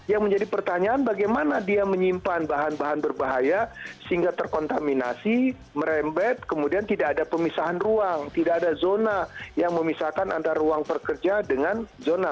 yang menjadi pertanyaan bagaimana dia menyimpan bahan bahan berbahaya sehingga terkontaminasi merembet kemudian tidak ada pemisahan ruang tidak ada zona yang memisahkan antara ruang pekerja dengan zona